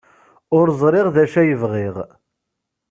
Ur ẓriɣ d acu ay bɣiɣ.